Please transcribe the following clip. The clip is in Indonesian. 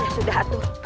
ya sudah atu